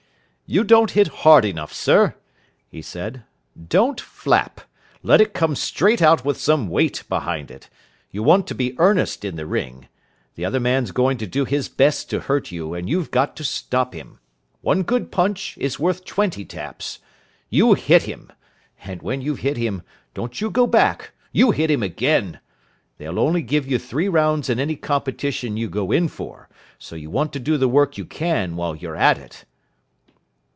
"You don't hit hard enough, sir," he said. "Don't flap. Let it come straight out with some weight behind it. You want to be earnest in the ring. The other man's going to do his best to hurt you, and you've got to stop him. One good punch is worth twenty taps. You hit him. And when you've hit him, don't you go back; you hit him again. They'll only give you three rounds in any competition you go in for, so you want to do the work you can while you're at it."